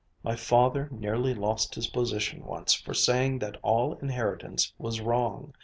My father nearly lost his position once for saying that all inheritance was wrong.